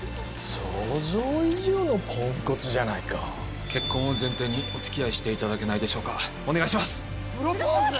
想像以上のポンコツじゃないか結婚を前提におつきあいしていただけないでしょうかお願いしますプロポーズ！？